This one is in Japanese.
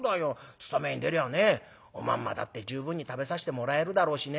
勤めに出りゃねおまんまだって十分に食べさせてもらえるだろうしね」。